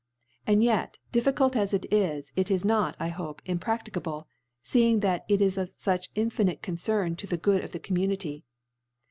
And yet difficult as it is, it is not I hope impra£ticable, feeing that it is of fuch in finite Concern to the Good of the Q>mmu nity.